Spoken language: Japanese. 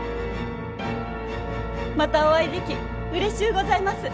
またお会いできうれしゅうございます。